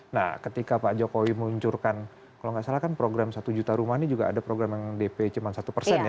nah ketika pak jokowi meluncurkan kalau nggak salah kan program satu juta rumah ini juga ada program yang dp cuma satu persen ya